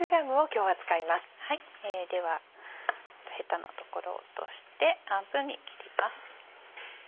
ではヘタの所を落として半分に切ります。